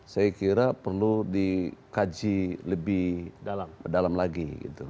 saya kira perlu dikaji lebih dalam lagi